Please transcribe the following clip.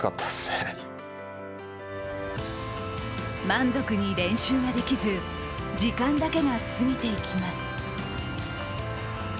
満足に練習ができず時間だけが過ぎていきます。